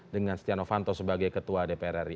dengan stiano fanto sebagai ketua dpr ri